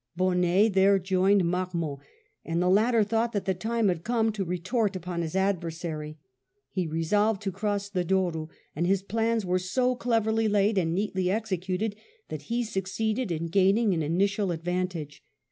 Bonnet there joined Marmont, and the latter thought that the time had come to retort upon his adversary. He resolved to cross the Douro, and his plans were so cleverly laid and neatly executed that he succeeded in gaining an initial advantage.